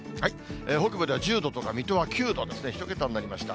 北部では１０度とか、水戸は９度ですね、１桁になりました。